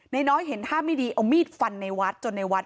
นายน้อยเห็นภาพไม่ดีออกมีดฟันในวัด